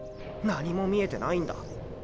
何も見えてないんだ。